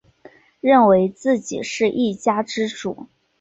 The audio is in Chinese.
认为自己是一家之主